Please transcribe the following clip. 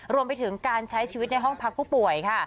รวมไปถึงการใช้ชีวิตในห้องพักผู้ป่วยค่ะ